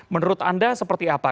menurut anda seperti apa